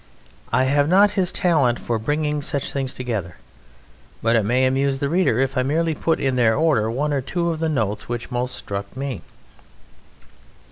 I have not his talent for bringing such things together, but it may amuse the reader if I merely put in their order one or two of the notes which most struck me.